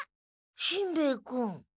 しんべヱ君。